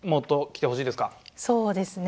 そうですね。